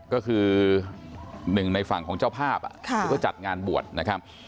ก็คือหนึ่งในฝั่งของเจ้าภาพที่เขาจัดงานบวชนะครับ